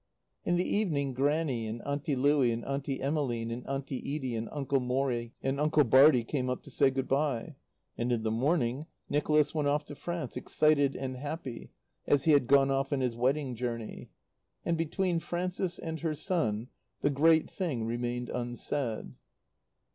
In the evening Grannie, and Auntie Louie, and Auntie Emmeline, and Auntie Edie, and Uncle Morrie, and Uncle Bartie came up to say good bye. And in the morning Nicholas went off to France, excited and happy, as he had gone off on his wedding journey. And between Frances and her son the great thing remained unsaid.